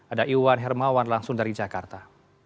ada iwan hermawan langsung dari jakarta